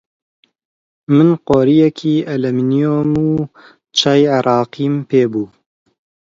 من قۆرییەکی ئەلمۆنیۆم و چای عێراقیم پێ بوو